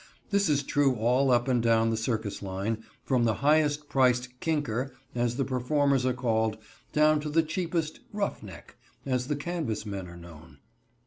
This is true all up and down the circus line, from the highest priced "kinker," as the performers are called, down to the cheapest "rough neck," as the canvas men are known.